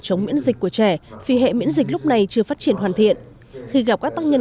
chống miễn dịch của trẻ vì hệ miễn dịch lúc này chưa phát triển hoàn thiện khi gặp các tác nhân